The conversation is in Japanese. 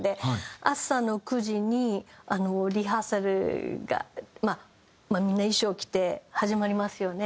朝の９時にリハーサルがみんな衣装着て始まりますよね。